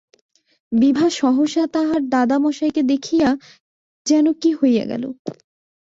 বিভা সহসা তাহার দাদা মহাশয়কে দেখিয়া যেন কি হইয়া গেল।